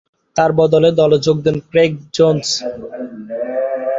তার বদলে দলে যোগ দেন ক্রেইগ জোনস।